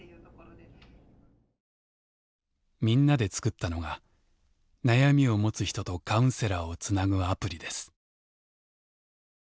みんなで作ったのが悩みを持つ人とカウンセラーをつなぐアプリです。